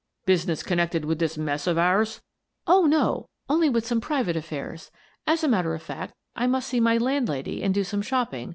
"Business connected with this mess of ours?" "Oh, no! Only some private affairs. As a matter of fact, I must see my landlady and do some shopping.